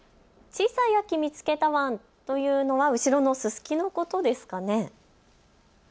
小さい秋みつけたワンというのは後ろのすすきのことですかね。